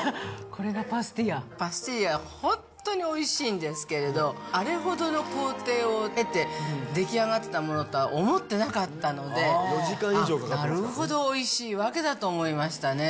これがパスティラパスティラはホントにおいしいんですけれどあれほどの工程を経てできあがってたものとは思ってなかったのでなるほどおいしいわけだと思いましたね